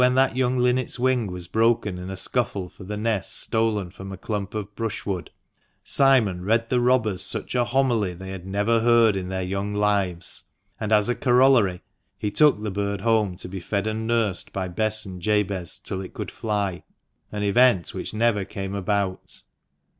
that young linnet's wing was broken in a scuffle for the nest stolen from a clump of brushwood, Simon read the robbers such a homily they had never heard in their young lives, and as a corollary he took the bird home to be fed and nursed by Bess and Jabez till it could fly, an event which never came about.